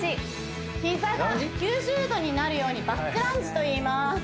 膝が９０度になるようにバックランジといいます